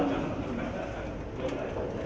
สวัสดีครับ